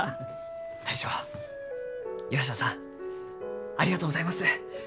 大将岩下さんありがとうございます。